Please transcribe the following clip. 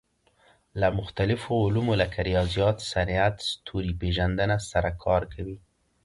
له مختلفو علومو لکه ریاضیات، صنعت، ستوري پېژندنه سره کار کوي.